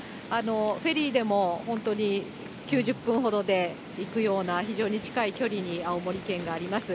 フェリーでも本当に９０分ほどで行くような、非常に近い距離に青森県があります。